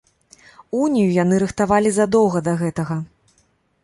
Унію яны рыхтавалі задоўга да гэтага.